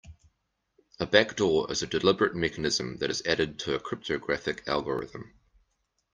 A backdoor is a deliberate mechanism that is added to a cryptographic algorithm.